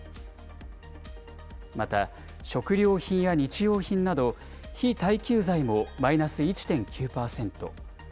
また、食料品や日用品など非耐久財もマイナス１．９％。